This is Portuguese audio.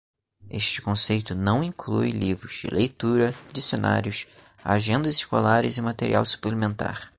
Este conceito não inclui livros de leitura, dicionários, agendas escolares e material suplementar.